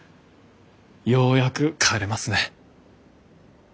ようやく帰れますね。